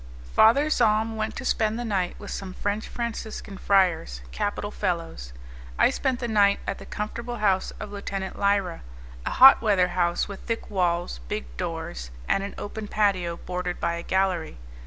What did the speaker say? Father Zahm went to spend the night with some French Franciscan friars, capital fellows. I spent the night at the comfortable house of Lieutenant Lyra; a hot weather house with thick walls, big doors, and an open patio bordered by a gallery.